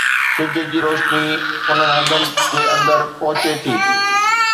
سج جي روشني انهن هنڌن جي اندر پهچي ٿي